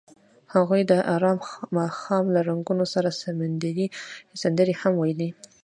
هغوی د آرام ماښام له رنګونو سره سندرې هم ویلې.